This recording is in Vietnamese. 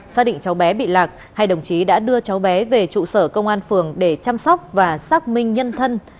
xác định cháu bé bị lạc hai đồng chí đã đưa cháu bé về trụ sở công an phường để chăm sóc và xác minh nhân thân